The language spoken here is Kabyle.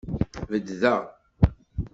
Beddeɣ.